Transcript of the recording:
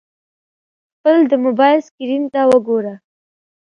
خپل د موبایل سکرین ته وګوره !